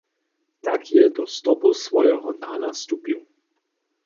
Tak je do stopow swojeho nana stupiła.